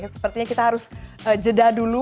sepertinya kita harus jeda dulu